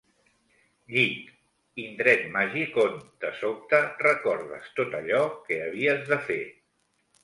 Llit: indret màgic on, de sobte, recordes tot allò que havies de fer.